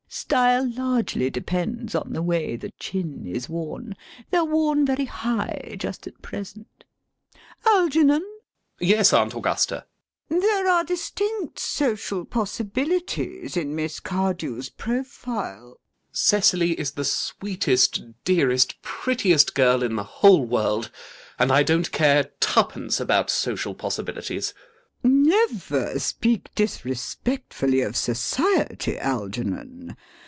Style largely depends on the way the chin is worn. They are worn very high, just at present. Algernon! ALGERNON. Yes, Aunt Augusta! LADY BRACKNELL. There are distinct social possibilities in Miss Cardew's profile. ALGERNON. Cecily is the sweetest, dearest, prettiest girl in the whole world. And I don't care twopence about social possibilities. LADY BRACKNELL. Never speak disrespectfully of Society, Algernon.